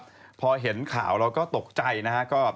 ถูกคิดว่ามันหนูก็เห็นข่าวเราก็ตกใจนะครับ